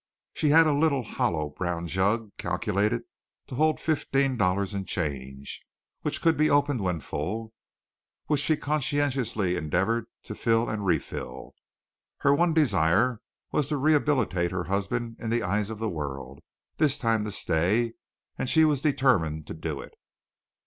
She had a little hollow brown jug, calculated to hold fifteen dollars in change, which could be opened when full, which she conscientiously endeavored to fill and refill. Her one desire was to rehabilitate her husband in the eyes of the world this time to stay and she was determined to do it.